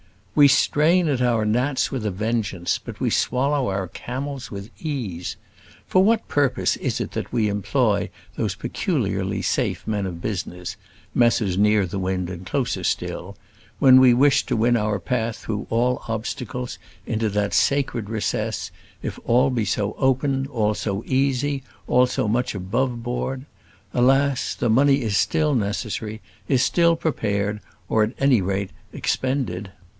We strain at our gnats with a vengeance, but we swallow our camels with ease. For what purpose is it that we employ those peculiarly safe men of business Messrs Nearthewinde and Closerstil when we wish to win our path through all obstacles into that sacred recess, if all be so open, all so easy, all so much above board? Alas! the money is still necessary, is still prepared, or at any rate expended.